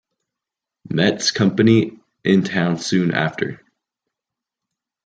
Metz Company in town soon after.